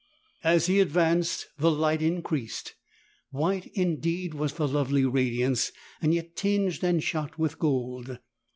As he advanced the light increased. White indeed was the lovely radiance, yet tinged and shot with gold.